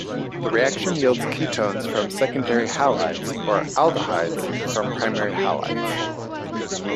The reaction yields ketones from secondary halides or aldehydes from primary halides.